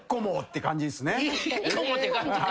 １個もって感じか。